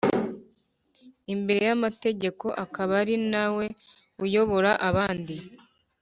imbere y amategeko akaba ari nawe uyobora abandi